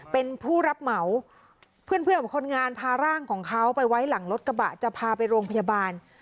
เป็นผู้รับเหมาเพื่อนคนงานพาร่างของเขาไปไว้หลังรถกระบะจะพาไปโรงพยาบาล